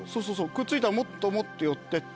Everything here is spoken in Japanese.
くっついたらもっともっと寄ってって。